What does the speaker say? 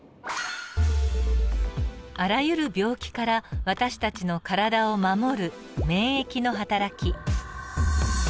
あらゆる病気から私たちの体を守る免疫のはたらき。